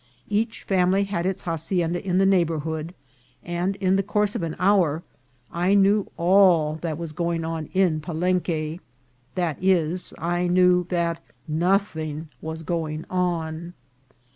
Each family had its hacienda in the neighbourhood, and in the course of an hour I knew all that was going on in Palenque ; i., e., I knew that nothing was going on.